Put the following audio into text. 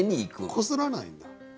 こすらないんだ。